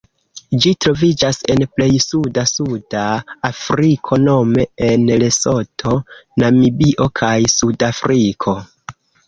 Ĝi troviĝas en plej suda Suda Afriko nome en Lesoto, Namibio kaj Sudafriko.